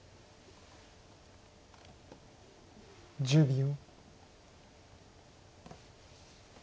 １０秒。